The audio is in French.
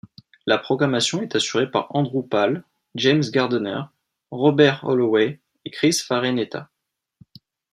La programmation est assurée par Andrew Pal, James Gardener, Robert Holloway et Chris Farenetta.